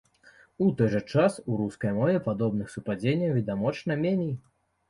У той жа час, у рускай мове падобных супадзенняў відавочна меней.